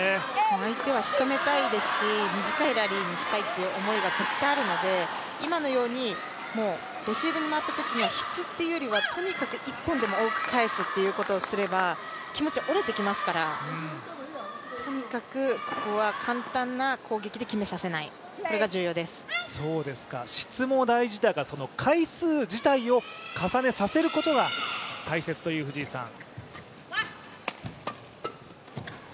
相手はしとめたいですし、短いラリーにしたいという思いが絶対あるので、今のようにレシーブに回ったときには質というよりは、とにかく一本でも多く返すということをすれば気持ちが折れてきますから、とにかくここは簡単な攻撃で決めさせない、質も大事だが、回数自体を重ねさせることが大切という藤井さん。